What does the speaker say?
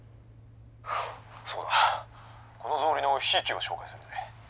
「そうだこの草履のひいきを紹介させてくれ。